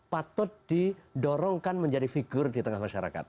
patut didorongkan menjadi figur di tengah masyarakat